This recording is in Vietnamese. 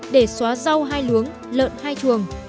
để xóa rau hai luống lợn hai chuồng